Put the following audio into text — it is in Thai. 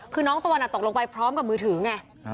คือน้องตะวันตกลงไปพร้อมกับมือถือไง